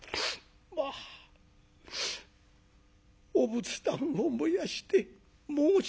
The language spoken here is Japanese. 「まあお仏壇を燃やして申し」。